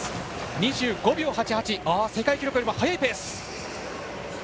２５秒８８、世界記録よりも速いペース。